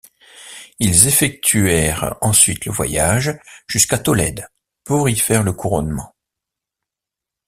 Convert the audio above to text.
Ils effectuèrent ensuite le voyage jusqu'à Tolède pour y faire le couronnement.